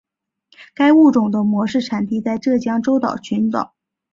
该物种的模式产地在浙江舟山群岛。